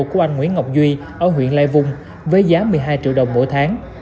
của anh nguyễn ngọc duy ở huyện lai vung với giá một mươi hai triệu đồng mỗi tháng